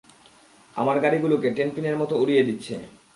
আমার গাড়িগুলোকে টেনপিনের মতো উড়িয়ে দিচ্ছে।